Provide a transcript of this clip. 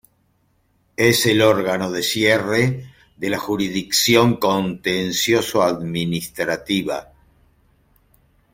Es el órgano de cierre de la jurisdicción Contencioso Administrativa.